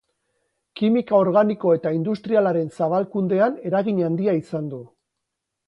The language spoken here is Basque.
Kimika organiko eta industrialaren zabalkundean eragin handia izan du.